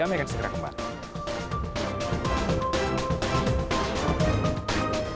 kami akan segera kembali